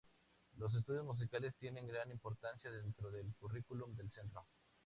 Los estudios musicales tienen gran importancia dentro del currículum del centro.